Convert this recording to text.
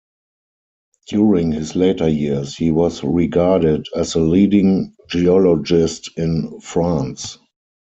During his later years he was regarded as the leading geologist in France.